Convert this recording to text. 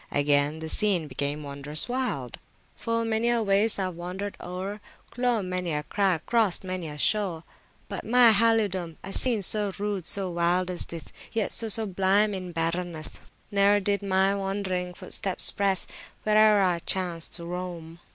Again the scene became wondrous wild: Full many a waste Ive wanderd oer, Clomb many a crag, crossd many a shore, But, by my halidome, A scene so rude, so wild as this, Yet so sublime in barrenness, Neer did my wandering footsteps press, Whereer I chanced to roam.